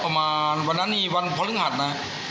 ประมาณวันนั้นนี่วันพฤหัสนะ